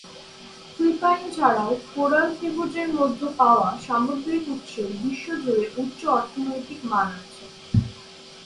Philippine ছাড়াও, coral ত্রিভুজের মধ্যে পাওয়া সামুদ্রিক উৎসের বিশ্ব জুড়ে উচ্চ অর্থনৈতিক মান আছে।